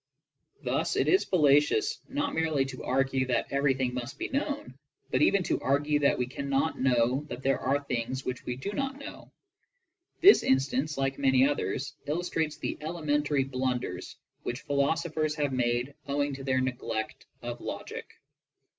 Thus it is fallacious not merely to ai^ue that everything must be known, but even to argue that we can not know that there are things which we do not know. This instance, like many others, illustrates the elementary blunders which philosophers have made owing to their neglect of logic.